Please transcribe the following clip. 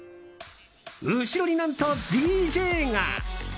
後ろに何とＤＪが！